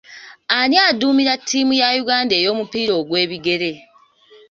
Ani aduumira ttiimu ya Uganda ey'omupiira ogw'ebigere?